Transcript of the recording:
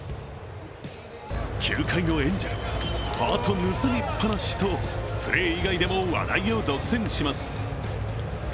球界のエンジェル、ハート盗みっぱなしと、プレー以外でも話題を独占します。